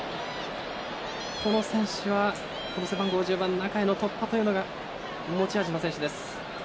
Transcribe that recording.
この選手は、背番号１０番の中への突破が持ち味の選手です。